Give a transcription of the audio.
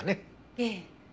ええ。